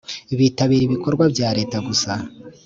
bitabira ibikorwa bya leta gusa